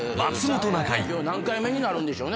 何回目になるんでしょう